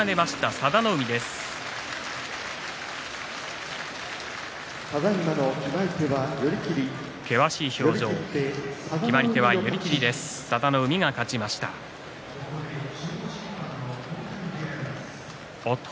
佐田の海が勝ちました。